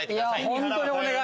本当にお願い！